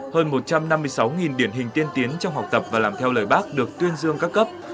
hơn một trăm năm mươi sáu điển hình tiên tiến trong học tập và làm theo lời bác được tuyên dương các cấp